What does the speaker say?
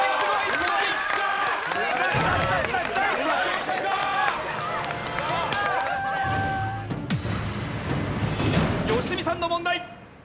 すごい！良純さんの問題。